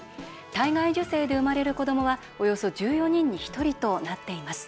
体外受精で生まれる子どもはおよそ１４人に１人となっています。